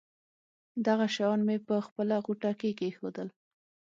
دغه شیان مې په خپله غوټه کې کېښودل.